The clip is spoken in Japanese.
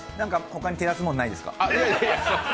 ほかに照らすもんないですか？